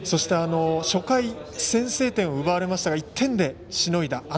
初回、先制点を奪われましたが１点でしのいだ。